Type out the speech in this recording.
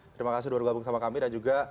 terima kasih sudah bergabung sama kami dan juga